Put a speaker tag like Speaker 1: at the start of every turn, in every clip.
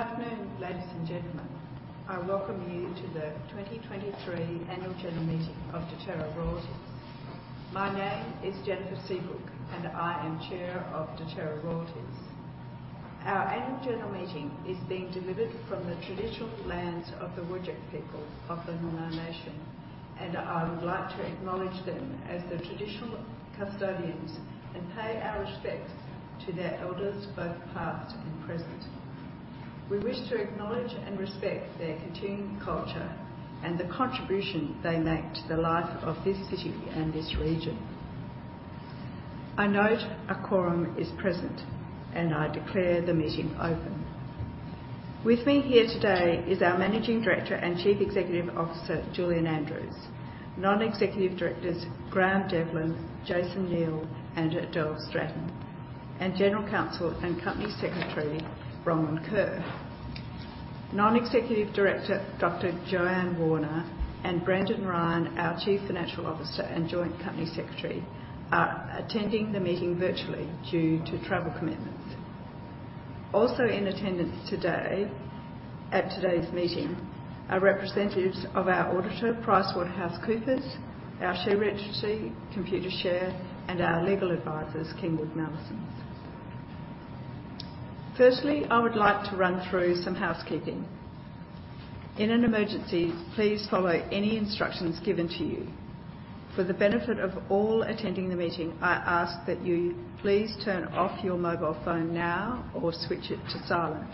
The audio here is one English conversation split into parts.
Speaker 1: Good afternoon, ladies and gentlemen. I welcome you to the 2023 Annual General Meeting of Deterra Royalties. My name is Jenny Seabrook, and I am Chair of Deterra Royalties. Our annual general meeting is being delivered from the traditional lands of the Whadjuk people of the Noongar Nation, and I would like to acknowledge them as the traditional custodians and pay our respects to their elders, both past and present. We wish to acknowledge and respect their continuing culture and the contribution they make to the life of this city and this region. I note a quorum is present, and I declare the meeting open. With me here today is our Managing Director and Chief Executive Officer, Julian Andrews; Non-Executive Directors, Graeme Devlin, Jason Neal, and Adele Stratton; and General Counsel and Company Secretary, Bronwyn Kerr. Non-Executive Director, Dr. Joanne Warner, and Brendan Ryan, our Chief Financial Officer and Joint Company Secretary, are attending the meeting virtually due to travel commitments. Also in attendance today, at today's meeting, are representatives of our auditor, PricewaterhouseCoopers, our share registry, Computershare, and our legal advisors, King & Wood Mallesons. Firstly, I would like to run through some housekeeping. In an emergency, please follow any instructions given to you. For the benefit of all attending the meeting, I ask that you please turn off your mobile phone now or switch it to silent.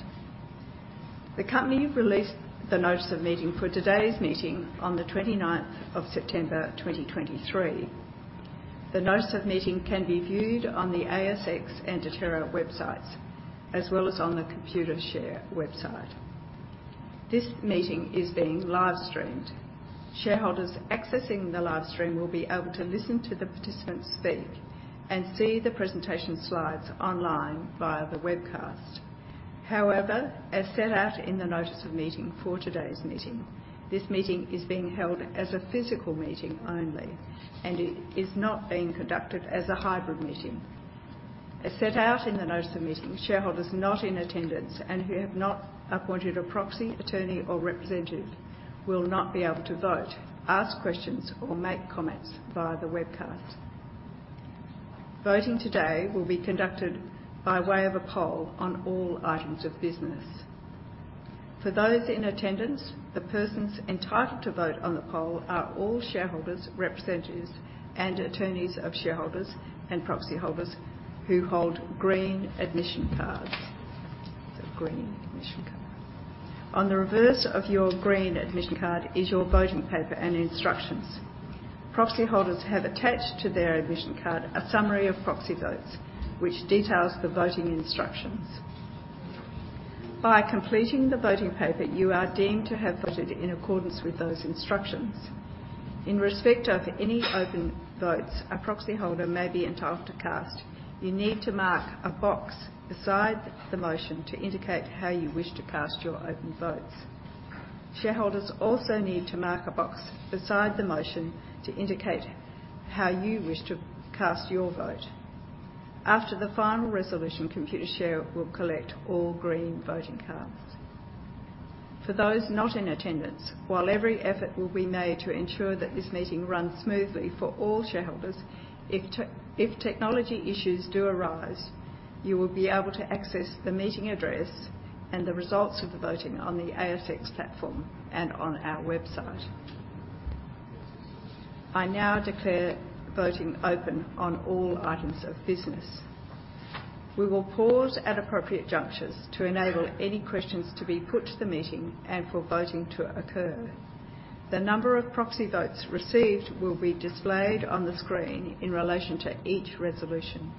Speaker 1: The company released the Notice of Meeting for today's meeting on the 29th of September, 2023. The Notice of Meeting can be viewed on the ASX and Deterra websites, as well as on the Computershare website. This meeting is being live streamed. Shareholders accessing the live stream will be able to listen to the participants speak and see the presentation slides online via the webcast. However, as set out in the Notice of Meeting for today's meeting, this meeting is being held as a physical meeting only, and it is not being conducted as a hybrid meeting. As set out in the Notice of Meeting, shareholders not in attendance and who have not appointed a proxy, attorney, or representative, will not be able to vote, ask questions, or make comments via the webcast. Voting today will be conducted by way of a poll on all items of business. For those in attendance, the persons entitled to vote on the poll are all shareholders, representatives, and attorneys of shareholders and proxyholders who hold green admission cards. The green admission card. On the reverse of your green admission card is your voting paper and instructions. Proxyholders have attached to their admission card a summary of proxy votes, which details the voting instructions. By completing the voting paper, you are deemed to have voted in accordance with those instructions. In respect of any open votes a proxyholder may be entitled to cast, you need to mark a box beside the motion to indicate how you wish to cast your open votes. Shareholders also need to mark a box beside the motion to indicate how you wish to cast your vote. After the final resolution, Computershare will collect all green voting cards. For those not in attendance, while every effort will be made to ensure that this meeting runs smoothly for all shareholders, if technology issues do arise, you will be able to access the meeting address and the results of the voting on the ASX platform and on our website. I now declare voting open on all items of business. We will pause at appropriate junctures to enable any questions to be put to the meeting and for voting to occur. The number of proxy votes received will be displayed on the screen in relation to each resolution.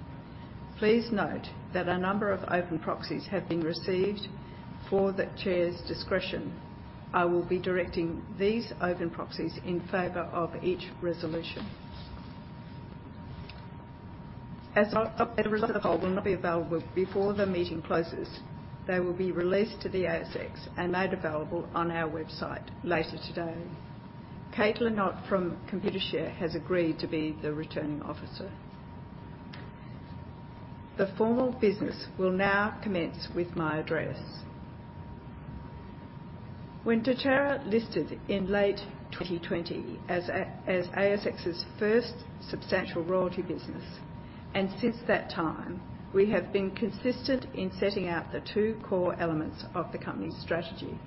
Speaker 1: Please note that a number of open proxies have been received for the Chair's discretion. I will be directing these open proxies in favor of each resolution. As a result, the poll will not be available before the meeting closes. They will be released to the ASX and made available on our website later today. Caitlin Knott from Computershare has agreed to be the Returning Officer. The formal business will now commence with my address. When Deterra listed in late 2020 as ASX's first substantial royalty business, and since that time, we have been consistent in setting out the two core elements of the company's strategy.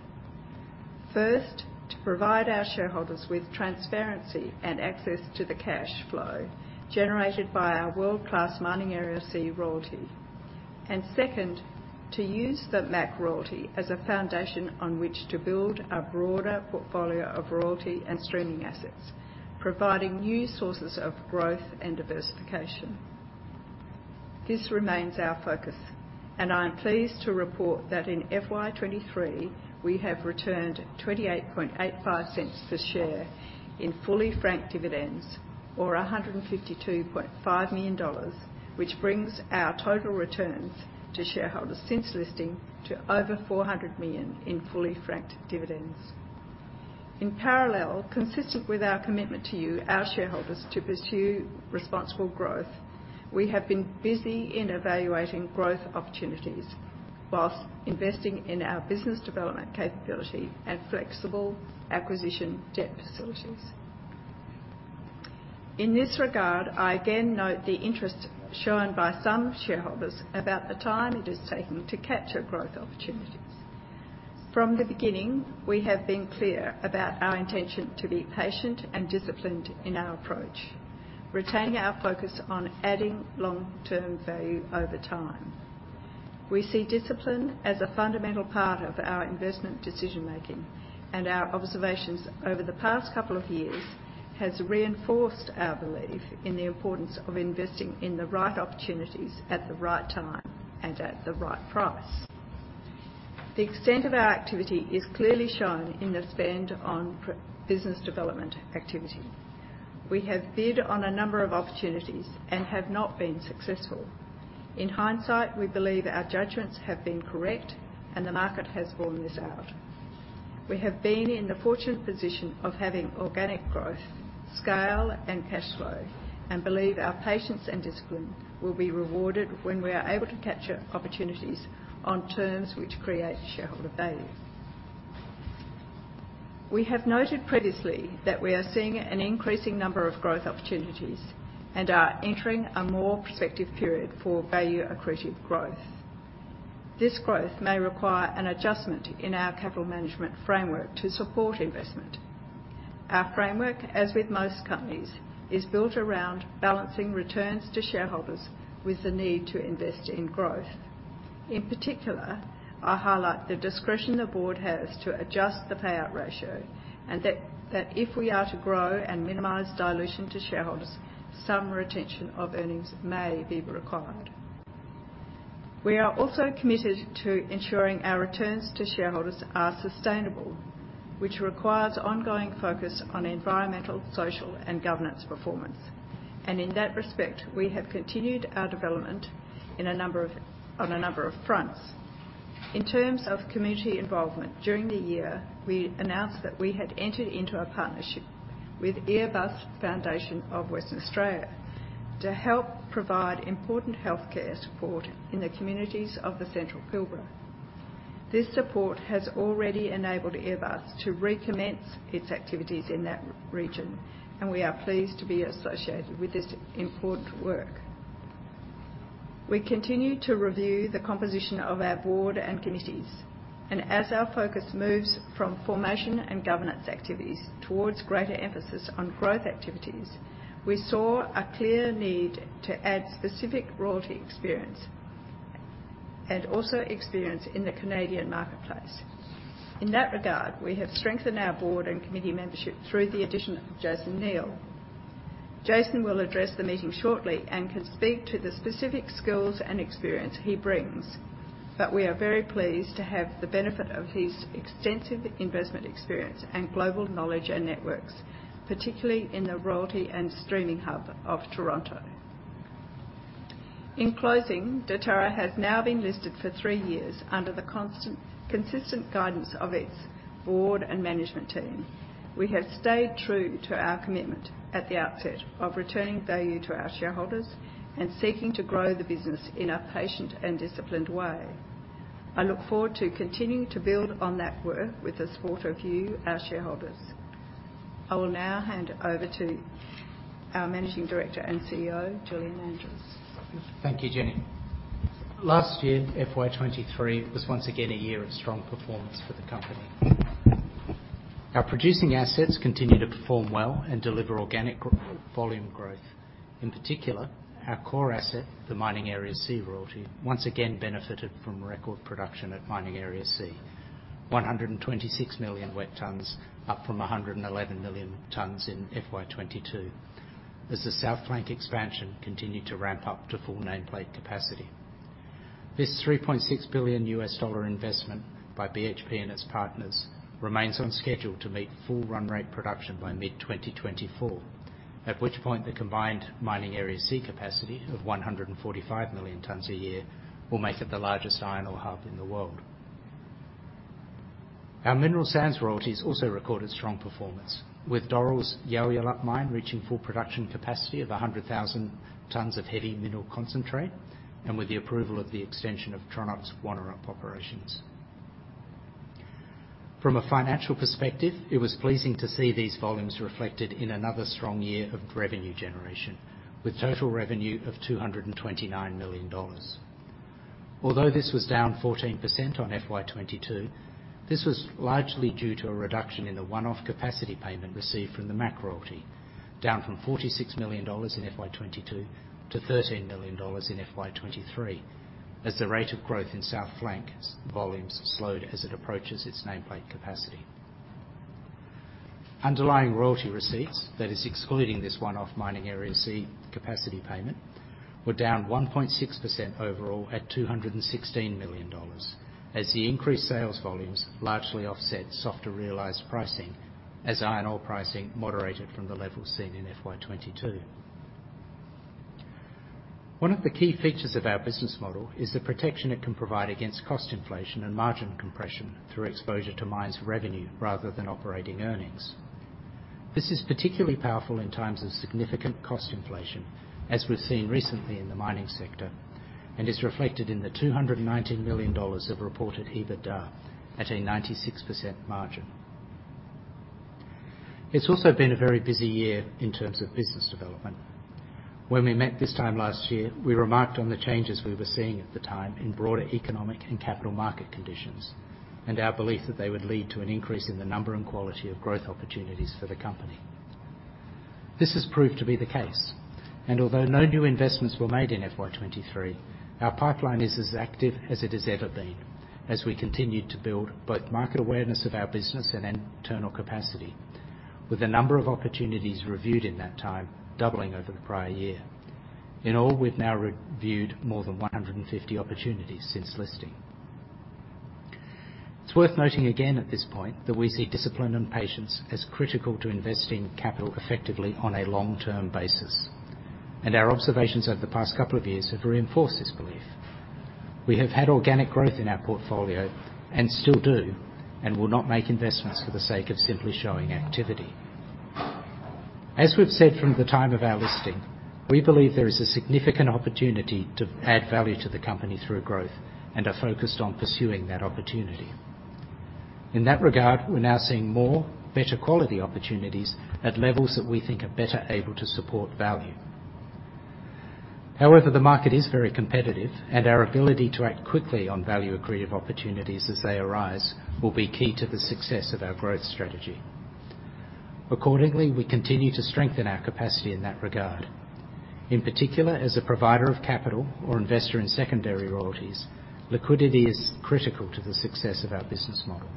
Speaker 1: First, to provide our shareholders with transparency and access to the cash flow generated by our world-class Mining Area C royalty. And second, to use the MAC royalty as a foundation on which to build a broader portfolio of royalty and streaming assets, providing new sources of growth and diversification. This remains our focus, and I am pleased to report that in FY 2023, we have returned 0.2885 per share in fully franked dividends, or 152.5 million dollars, which brings our total returns to shareholders since listing to over 400 million in fully franked dividends. In parallel, consistent with our commitment to you, our shareholders, to pursue responsible growth, we have been busy in evaluating growth opportunities while investing in our business development capability and flexible acquisition debt facilities. In this regard, I again note the interest shown by some shareholders about the time it is taking to capture growth opportunities. From the beginning, we have been clear about our intention to be patient and disciplined in our approach, retaining our focus on adding long-term value over time. We see discipline as a fundamental part of our investment decision-making, and our observations over the past couple of years has reinforced our belief in the importance of investing in the right opportunities at the right time and at the right price. The extent of our activity is clearly shown in the spend on business development activity. We have bid on a number of opportunities and have not been successful. In hindsight, we believe our judgments have been correct, and the market has borne this out. We have been in the fortunate position of having organic growth, scale, and cash flow, and believe our patience and discipline will be rewarded when we are able to capture opportunities on terms which create shareholder value. We have noted previously that we are seeing an increasing number of growth opportunities and are entering a more prospective period for value-accretive growth. This growth may require an adjustment in our capital management framework to support investment. Our framework, as with most companies, is built around balancing returns to shareholders with the need to invest in growth. In particular, I highlight the discretion the board has to adjust the payout ratio, and that, that if we are to grow and minimize dilution to shareholders, some retention of earnings may be required. We are also committed to ensuring our returns to shareholders are sustainable, which requires ongoing focus on environmental, social, and governance performance. In that respect, we have continued our development on a number of fronts. In terms of community involvement, during the year, we announced that we had entered into a partnership with Earbus Foundation of Western Australia to help provide important healthcare support in the communities of the Central Pilbara. This support has already enabled Earbus to recommence its activities in that region, and we are pleased to be associated with this important work. We continue to review the composition of our board and committees, and as our focus moves from formation and governance activities towards greater emphasis on growth activities, we saw a clear need to add specific royalty experience and also experience in the Canadian marketplace. In that regard, we have strengthened our board and committee membership through the addition of Jason Neal. Jason will address the meeting shortly and can speak to the specific skills and experience he brings, but we are very pleased to have the benefit of his extensive investment experience and global knowledge and networks, particularly in the royalty and streaming hub of Toronto. In closing, Deterra has now been listed for three years under the constant, consistent guidance of its board and management team. We have stayed true to our commitment at the outset of returning value to our shareholders and seeking to grow the business in a patient and disciplined way. I look forward to continuing to build on that work with the support of you, our shareholders. I will now hand over to our Managing Director and CEO, Julian Andrews.
Speaker 2: Thank you, Jenny. Last year, FY 2023, was once again a year of strong performance for the company. Our producing assets continued to perform well and deliver organic volume growth. In particular, our core asset, the Mining Area C royalty, once again benefited from record production at Mining Area C, 126 million wet tonnes, up from 111 million tonnes in FY 2022, as the South Flank expansion continued to ramp up to full nameplate capacity. This $3.6 billion investment by BHP and its partners remains on schedule to meet full run rate production by mid-2024, at which point the combined Mining Area C capacity of 145 million tonnes a year will make it the largest iron ore hub in the world. Our mineral sands royalties also recorded strong performance, with Doral's Yalyalup mine reaching full production capacity of 100,000 tons of heavy mineral concentrate and with the approval of the extension of Tronox Wonnerup operations. From a financial perspective, it was pleasing to see these volumes reflected in another strong year of revenue generation, with total revenue of 229 million dollars. Although this was down 14% on FY 2022, this was largely due to a reduction in the one-off capacity payment received from the MAC royalty, down from AUD 46 million in FY 2022 to AUD 13 million in FY 2023, as the rate of growth in South Flank's volumes slowed as it approaches its nameplate capacity. Underlying royalty receipts, that is, excluding this one-off Mining Area C Capacity Payment, were down 1.6% overall at 216 million dollars, as the increased sales volumes largely offset softer realized pricing, as iron ore pricing moderated from the levels seen in FY 2022.... One of the key features of our business model is the protection it can provide against cost inflation and margin compression through exposure to mines revenue, rather than operating earnings. This is particularly powerful in times of significant cost inflation, as we've seen recently in the mining sector, and is reflected in the 219 million dollars of reported EBITDA at a 96% margin. It's also been a very busy year in terms of business development. When we met this time last year, we remarked on the changes we were seeing at the time in broader economic and capital market conditions, and our belief that they would lead to an increase in the number and quality of growth opportunities for the company. This has proved to be the case, and although no new investments were made in FY 2023, our pipeline is as active as it has ever been as we continued to build both market awareness of our business and internal capacity, with a number of opportunities reviewed in that time, doubling over the prior year. In all, we've now reviewed more than 150 opportunities since listing. It's worth noting again at this point, that we see discipline and patience as critical to investing capital effectively on a long-term basis, and our observations over the past couple of years have reinforced this belief. We have had organic growth in our portfolio and still do, and will not make investments for the sake of simply showing activity. As we've said from the time of our listing, we believe there is a significant opportunity to add value to the company through growth and are focused on pursuing that opportunity. In that regard, we're now seeing more better quality opportunities at levels that we think are better able to support value. However, the market is very competitive and our ability to act quickly on value accretive opportunities as they arise, will be key to the success of our growth strategy. Accordingly, we continue to strengthen our capacity in that regard. In particular, as a provider of capital or investor in secondary royalties, liquidity is critical to the success of our business model.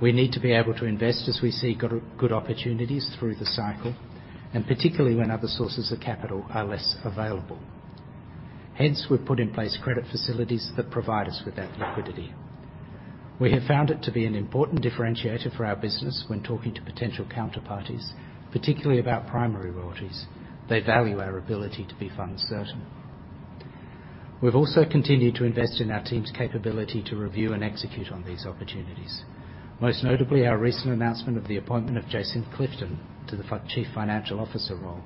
Speaker 2: We need to be able to invest as we see good opportunities through the cycle, and particularly when other sources of capital are less available. Hence, we've put in place credit facilities that provide us with that liquidity. We have found it to be an important differentiator for our business when talking to potential counterparties, particularly about primary royalties. They value our ability to be fund certain. We've also continued to invest in our team's capability to review and execute on these opportunities. Most notably, our recent announcement of the appointment of Jason Clifton to the Chief Financial Officer role,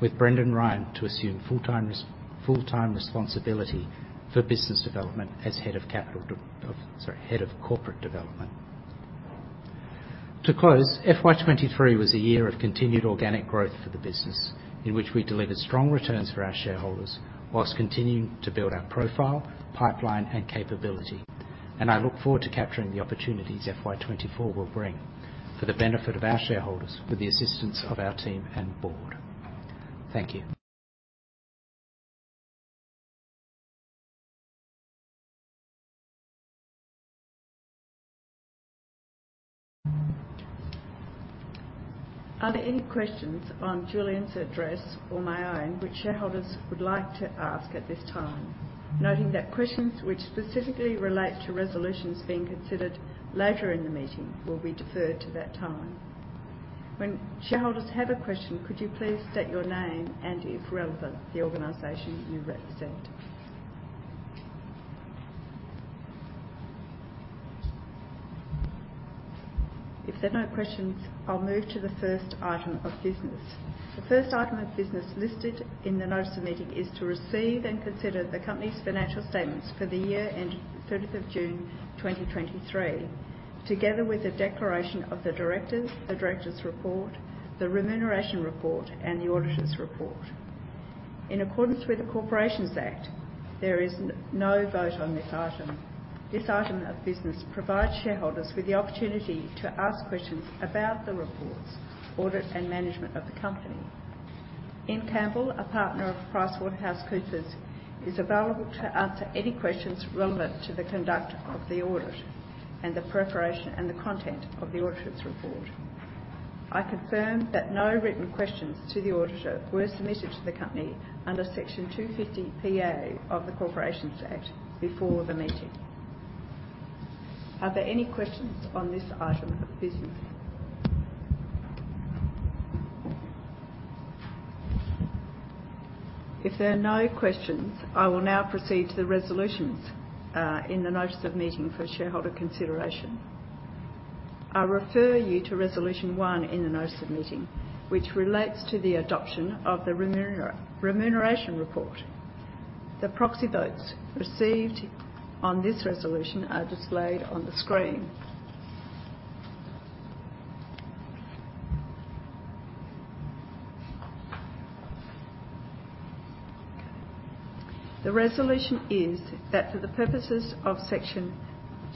Speaker 2: with Brendan Ryan to assume full-time responsibility for business development as head of corporate development. To close, FY 2023 was a year of continued organic growth for the business, in which we delivered strong returns for our shareholders whilst continuing to build our profile, pipeline, and capability, and I look forward to capturing the opportunities FY 2024 will bring for the benefit of our shareholders, with the assistance of our team and board. Thank you.
Speaker 1: Are there any questions on Julian's address or my own, which shareholders would like to ask at this time? Noting that questions which specifically relate to resolutions being considered later in the meeting will be deferred to that time. When shareholders have a question, could you please state your name and, if relevant, the organization you represent. If there are no questions, I'll move to the first item of business. The first item of business listed in the Notice of Meeting is: to receive and consider the company's financial statements for the year end 30th of June, 2023, together with a declaration of the directors, the Directors' Report, the Remuneration Report, and the Auditor's Report. In accordance with the Corporations Act, there is no vote on this item. This item of business provides shareholders with the opportunity to ask questions about the reports, audit, and management of the company. Ian Campbell, a partner of PricewaterhouseCoopers, is available to answer any questions relevant to the conduct of the audit, and the preparation and the content of the auditor's report. I confirm that no written questions to the auditor were submitted to the company under Section 250PA of the Corporations Act before the meeting. Are there any questions on this item of business? If there are no questions, I will now proceed to the resolutions in the Notice of Meeting for shareholder consideration. I refer you to Resolution 1 in the Notice of Meeting, which relates to the adoption of the Remuneration Report. The proxy votes received on this resolution are displayed on the screen. The resolution is that for the purposes of Section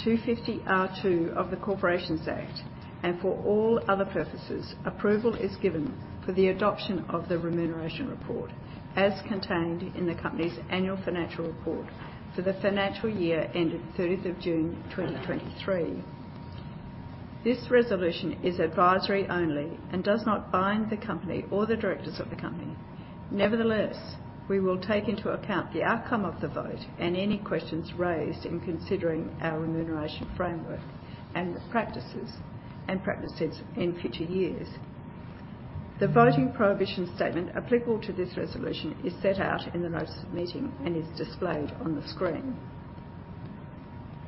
Speaker 1: 250R(2) of the Corporations Act, and for all other purposes, approval is given for the adoption of the Remuneration Report as contained in the company's annual financial report for the financial year ended 30th of June 2023. This resolution is advisory only and does not bind the company or the directors of the company. Nevertheless, we will take into account the outcome of the vote and any questions raised in considering our remuneration framework and the practices, and practices in future years.... The voting prohibition statement applicable to this resolution is set out in the Notice of Meeting and is displayed on the screen.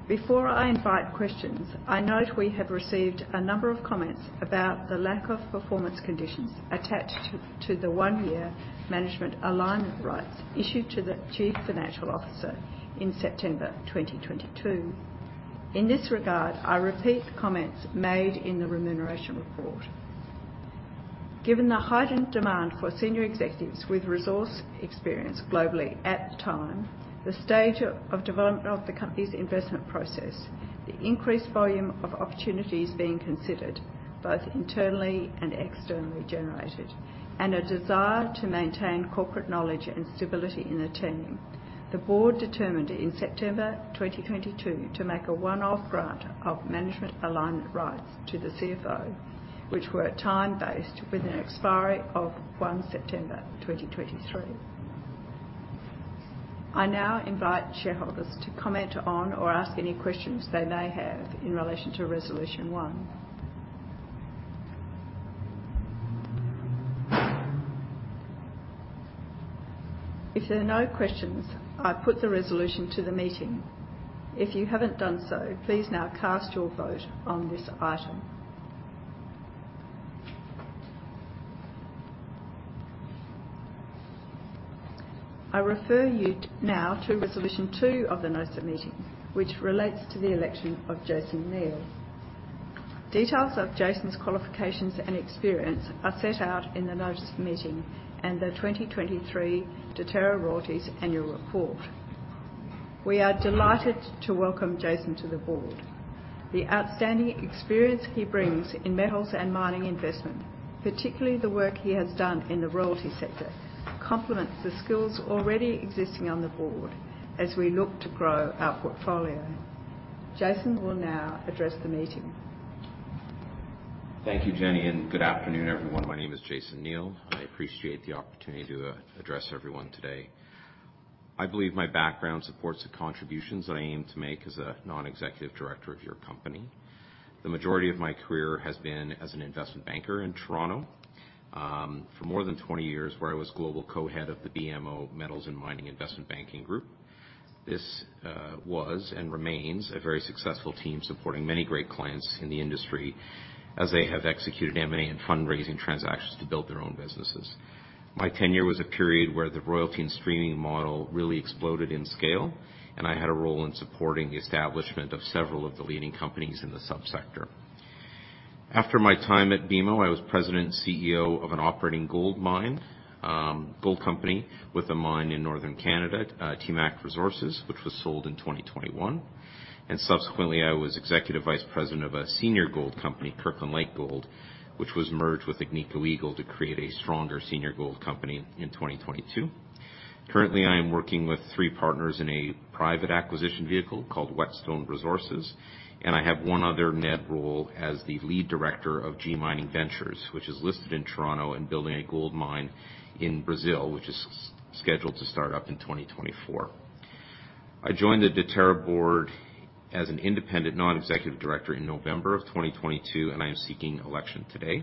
Speaker 1: Before I invite questions, I note we have received a number of comments about the lack of performance conditions attached to the one-year Management Alignment Rights issued to the Chief Financial Officer in September 2022. In this regard, I repeat comments made in the Remuneration Report. Given the heightened demand for senior executives with resource experience globally at the time, the stage of development of the company's investment process, the increased volume of opportunities being considered, both internally and externally generated, and a desire to maintain corporate knowledge and stability in attaining, the Board determined in September 2022 to make a one-off grant of Management Alignment Rights to the CFO, which were time-based, with an expiry of 1 September 2023. I now invite shareholders to comment on or ask any questions they may have in relation to Resolution One. If there are no questions, I put the resolution to the meeting. If you haven't done so, please now cast your vote on this item. I refer you now to Resolution Two of the Notice of Meeting, which relates to the election of Jason Neal. Details of Jason's qualifications and experience are set out in the Notice of Meeting and the 2023 Deterra Royalties Annual Report. We are delighted to welcome Jason to the board. The outstanding experience he brings in metals and mining investment, particularly the work he has done in the royalty sector, complements the skills already existing on the board as we look to grow our portfolio. Jason will now address the meeting.
Speaker 3: Thank you, Jenny, and good afternoon, everyone. My name is Jason Neal. I appreciate the opportunity to address everyone today. I believe my background supports the contributions that I aim to make as a non-executive director of your company. The majority of my career has been as an investment banker in Toronto for more than 20 years, where I was Global Co-Head of the BMO Metals and Mining Investment Banking Group. This was and remains a very successful team, supporting many great clients in the industry as they have executed M&A and fundraising transactions to build their own businesses. My tenure was a period where the royalty and streaming model really exploded in scale, and I had a role in supporting the establishment of several of the leading companies in the sub-sector. After my time at BMO, I was President and CEO of an operating gold mine, gold company with a mine in northern Canada, TMAC Resources, which was sold in 2021, and subsequently, I was Executive Vice President of a senior gold company, Kirkland Lake Gold, which was merged with Agnico Eagle to create a stronger senior gold company in 2022. Currently, I am working with three partners in a private acquisition vehicle called Whetstone Resources, and I have one other non-exec role as the Lead Director of G Mining Ventures, which is listed in Toronto in building a gold mine in Brazil, which is scheduled to start up in 2024. I joined the Deterra board as an independent non-executive director in November of 2022, and I am seeking election today.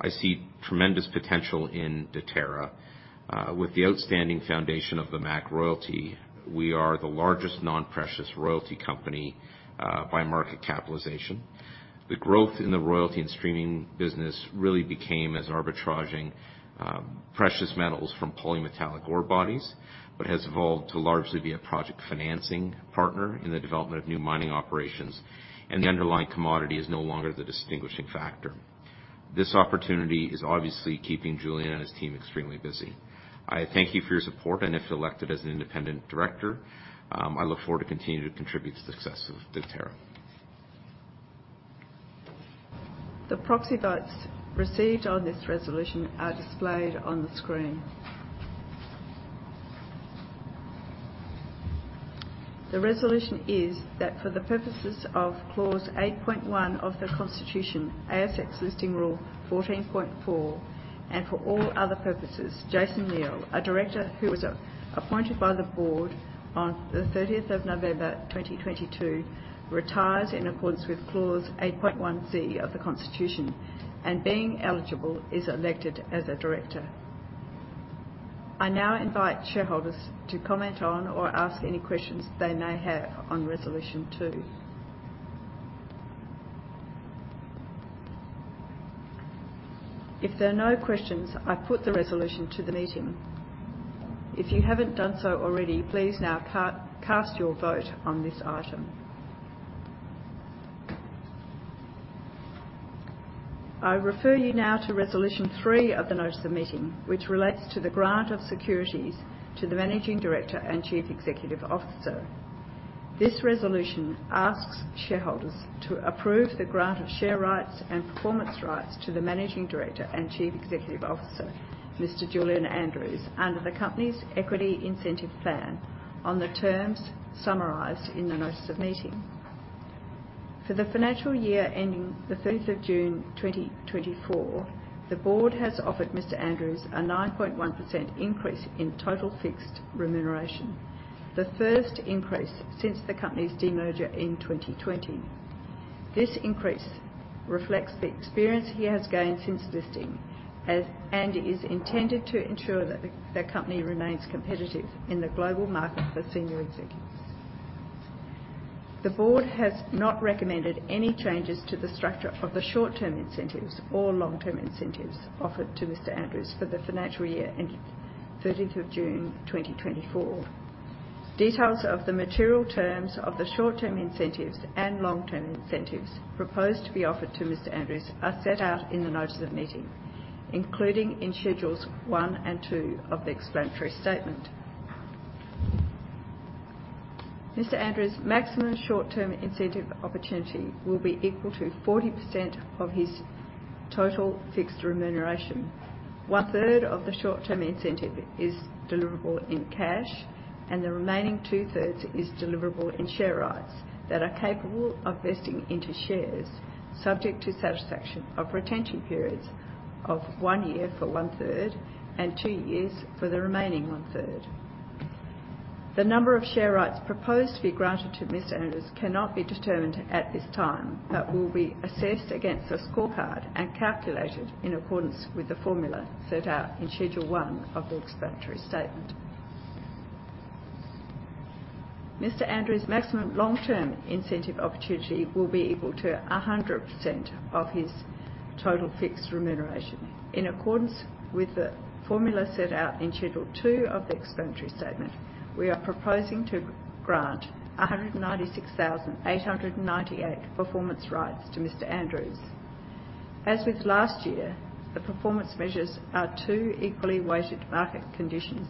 Speaker 3: I see tremendous potential in Deterra. With the outstanding foundation of the MAC Royalty, we are the largest non-precious royalty company by market capitalization. The growth in the royalty and streaming business really became as arbitraging precious metals from polymetallic ore bodies, but has evolved to largely be a project financing partner in the development of new mining operations, and the underlying commodity is no longer the distinguishing factor. This opportunity is obviously keeping Julian and his team extremely busy. I thank you for your support, and if elected as an independent director, I look forward to continuing to contribute to the success of Deterra.
Speaker 1: The proxy votes received on this resolution are displayed on the screen. The resolution is that for the purposes of Clause 8.1 of the Constitution, ASX Listing Rule 14.4, and for all other purposes, Jason Neal, a director who was appointed by the board on the 30th of November 2022, retires in accordance with Clause 8.1C of the Constitution, and being eligible, is elected as a director. I now invite shareholders to comment on or ask any questions they may have on Resolution 2. If there are no questions, I put the resolution to the meeting. If you haven't done so already, please now cast your vote on this item. I refer you now to Resolution 3 of the Notice of Meeting, which relates to the grant of securities to the Managing Director and Chief Executive Officer. This resolution asks shareholders to approve the grant of share rights and performance rights to the Managing Director and Chief Executive Officer, Mr. Julian Andrews, under the company's equity incentive plan, on the terms summarized in the Notice of Meeting. For the financial year ending the thirtieth of June 2024, the board has offered Mr. Andrews a 9.1% increase in total fixed remuneration, the first increase since the company's demerger in 2020. This increase reflects the experience he has gained since listing, and is intended to ensure that the company remains competitive in the global market for senior executives. The board has not recommended any changes to the structure of the short-term incentives or long-term incentives offered to Mr. Andrews for the financial year ending the thirtieth of June 2024. Details of the material terms of the short-term incentives and long-term incentives proposed to be offered to Mr. Andrews are set out in the Notice of the Meeting, including in Schedules 1 and 2 of the Explanatory Statement. Mr. Andrews' maximum short-term incentive opportunity will be equal to 40% of his total fixed remuneration. One-third of the short-term incentive is deliverable in cash, and the remaining two-thirds is deliverable in share rights that are capable of vesting into shares, subject to satisfaction of retention periods of one year for 1/3 and two years for the remaining one-third. The number of share rights proposed to be granted to Mr. Andrews cannot be determined at this time, but will be assessed against a scorecard and calculated in accordance with the formula set out in Schedule 1 of the Explanatory Statement. Mr. Andrews' maximum long-term incentive opportunity will be equal to 100% of his total fixed remuneration. In accordance with the formula set out in Schedule 2 of the Explanatory Statement, we are proposing to grant 196,898 performance rights to Mr. Andrews. As with last year, the performance measures are two equally weighted market conditions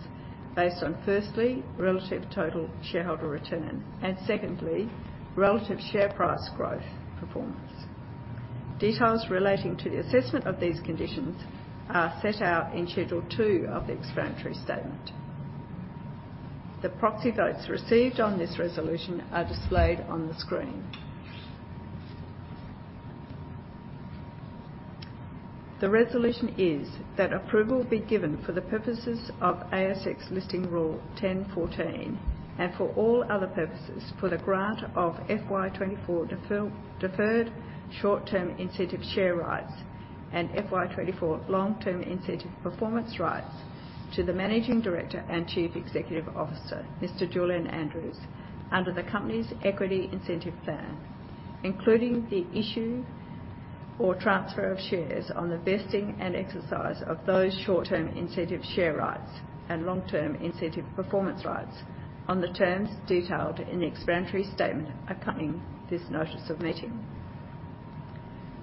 Speaker 1: based on, firstly, relative total shareholder return, and secondly, relative share price growth performance. Details relating to the assessment of these conditions are set out in Schedule 2 of the Explanatory Statement. The proxy votes received on this resolution are displayed on the screen. The resolution is that approval be given for the purposes of ASX Listing Rule 10.14 and for all other purposes for the grant of FY 2024 deferred short-term incentive share rights and FY 2024 long-term incentive performance rights to the Managing Director and Chief Executive Officer, Mr. Julian Andrews, under the company's Equity Incentive Plan, including the issue or transfer of shares on the vesting and exercise of those short-term incentive share rights and long-term incentive performance rights on the terms detailed in the Explanatory Statement accompanying this Notice of Meeting.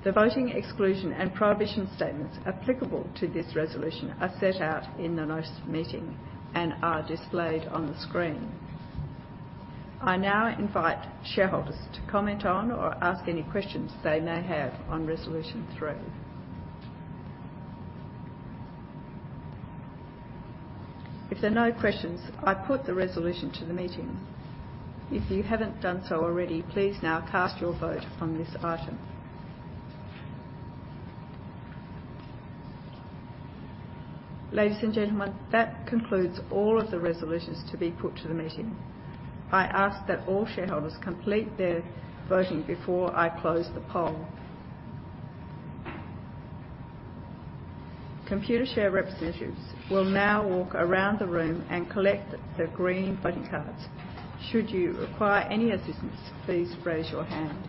Speaker 1: The voting exclusion and prohibition statements applicable to this resolution are set out in the Notice of Meeting and are displayed on the screen. I now invite shareholders to comment on or ask any questions they may have on Resolution Three. If there are no questions, I put the resolution to the meeting. If you haven't done so already, please now cast your vote on this item. Ladies and gentlemen, that concludes all of the resolutions to be put to the meeting. I ask that all shareholders complete their voting before I close the poll. Computershare representatives will now walk around the room and collect the green voting cards. Should you require any assistance, please raise your hand.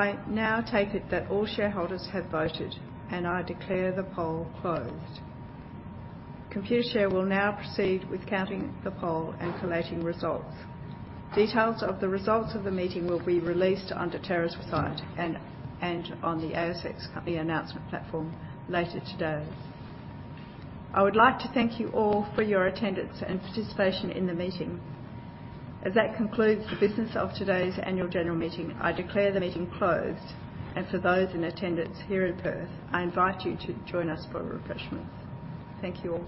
Speaker 1: I now take it that all shareholders have voted, and I declare the poll closed. Computershare will now proceed with counting the poll and collating results. Details of the results of the meeting will be released on the Deterra site and on the ASX company announcement platform later today. I would like to thank you all for your attendance and participation in the meeting. As that concludes the business of today's annual general meeting, I declare the meeting closed, and for those in attendance here in Perth, I invite you to join us for refreshments. Thank you all.